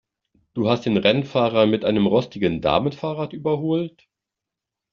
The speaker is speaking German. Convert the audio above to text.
Du hast den Rennfahrer mit einem rostigen Damenfahrrad überholt?